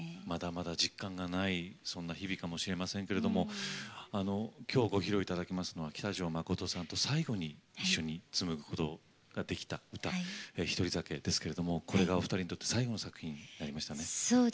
まだまだ実感がないそんな日々かもしれませんけどもきょう、ご披露いただきますのは喜多條忠さんと最後に一緒につむぐことができた歌「獨り酒」ですけどもこれがお二人にとって最後の作品になりましたね。